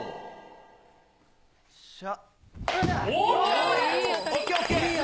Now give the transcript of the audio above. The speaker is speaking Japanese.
よっしゃ。